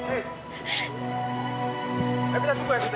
evita tunggu evita